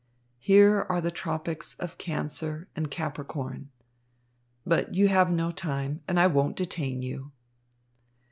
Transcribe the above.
Here are the tropics of Cancer and Capricorn. But you have no time, and I won't detain you."